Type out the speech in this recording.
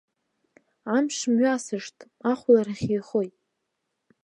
Амш мҩасышт, ахәларахь еихоит.